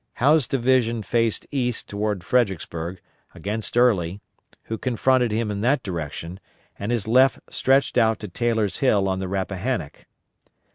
Howe's division faced east toward Fredericksburg, against Early, who confronted him in that direction, and his left stretched out to Taylor's Hill on the Rappahannock.